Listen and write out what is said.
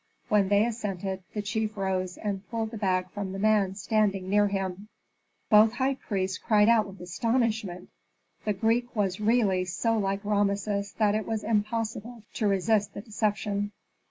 When they assented, the chief rose, and pulled the bag from the man standing near him. Both high priests cried out with astonishment. The Greek was really so like Rameses that it was impossible to resist the deception.